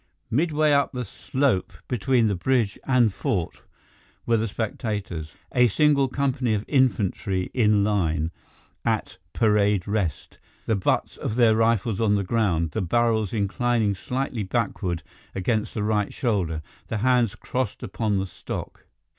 Midway up the slope between the bridge and fort were the spectators—a single company of infantry in line, at "parade rest," the butts of their rifles on the ground, the barrels inclining slightly backward against the right shoulder, the hands crossed upon the stock.